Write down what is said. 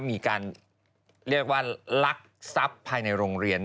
มีการเรียกว่าลักทรัพย์ภายในโรงเรียน